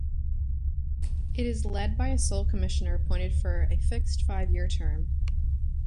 It is led by a sole Commissioner appointed for a fixed five-year term.